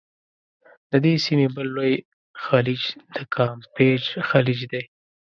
د دې سیمي بل لوی خلیج د کامپېچ خلیج دی.